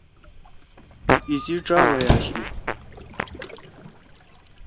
ایسی ڇأ بھئی آشی۔